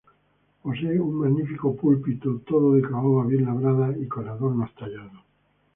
Posee un magnífico púlpito todo de caoba bien labrada y con adornos tallados.